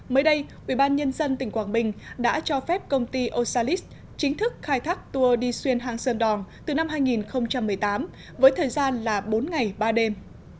mới đây ubnd tỉnh quảng bình đã cho phép công ty osalis chính thức khai thác tour đi xuyên hàng sơn đòn từ năm hai nghìn một mươi tám với thời gian là bốn ngày ba đêm